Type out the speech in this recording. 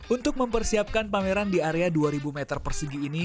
untuk mempersiapkan pameran di area dua ribu meter persegi ini